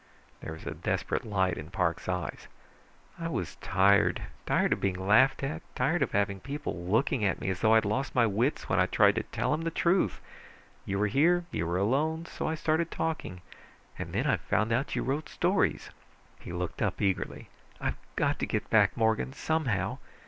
There was a desperate light in Parks' eyes. "I was tired, tired of being laughed at, tired of having people looking at me as though I'd lost my wits when I tried to tell them the truth. You were here, you were alone, so I started talking. And then I found out you wrote stories." He looked up eagerly. "I've got to get back, Morgan, somehow.